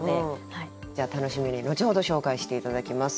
じゃあ楽しみに後ほど紹介して頂きます。